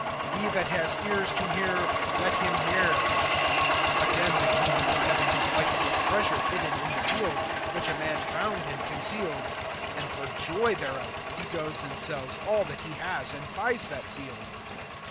He that has ears to hear, let him hear[13:43]. (44)Again, the kingdom of heaven is like to a treasure hidden in the field, which a man found and concealed; and for joy thereof[13:44], he goes and sells all that he has, and buys that field.